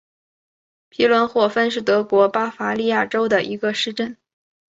皮伦霍芬是德国巴伐利亚州的一个市镇。